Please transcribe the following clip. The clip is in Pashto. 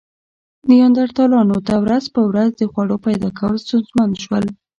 نیاندرتالانو ته ورځ په ورځ د خوړو پیدا کول ستونزمن شول.